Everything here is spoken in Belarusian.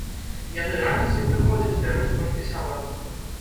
Яны раніцай прыходзяць, бяруць толькі салат.